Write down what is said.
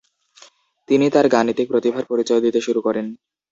তিনি তার গাণিতিক প্রতিভার পরিচয় দিতে শুরু করেন।